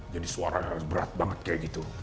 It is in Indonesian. jadi suara berat banget kayak gitu